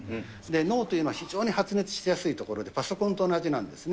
脳というのは、非常に発熱しやすい所で、パソコンと同じなんですね。